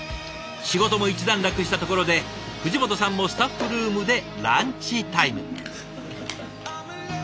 仕事も一段落したところで藤本さんもスタッフルームでランチタイム。